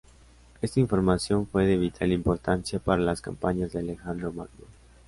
Esta información fue de vital importancia para las campañas de Alejandro Magno.